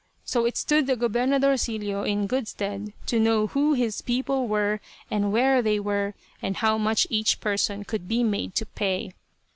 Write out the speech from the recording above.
So it stood the "Gobernadorcillo" in good stead to know who his people were, and where they were, and how much each person could be made to pay.